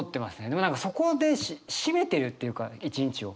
でも何かそこで締めてるっていうか１日を。